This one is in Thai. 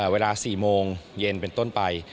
เวลา๔โมงเย็นเป็นต้นไป